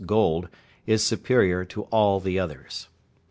gold, is superior to all the others.